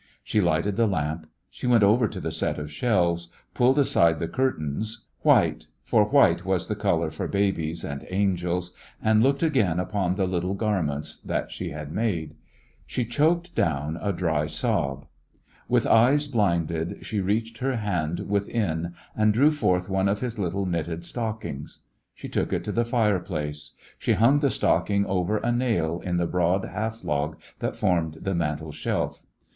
She lighted the lamp. She went over to the set of shelves, pulled aside the curtains — white, for white was the color for babies and angels — and looked again upon the little garments that she had made. She choked down The West Was Young a dry sob. With eyes blinded she reached her hand within and drew forth one of his little knitted stock ings. She took it to the fireplace. She hung the stocking over a nail in liie broad half log that formed the mantel shelf.